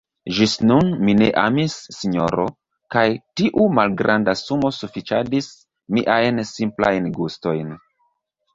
Ĝis nun, mi ne amis, sinjoro, kaj tiu malgranda sumo sufiĉadis miajn simplajn gustojn.